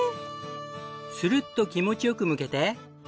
するっと気持ち良くむけて。